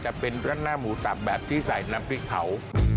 จะเป็นรัดหน้าหมูสับแบบที่ใส่น้ำพริกเผา